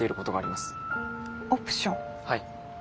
はい。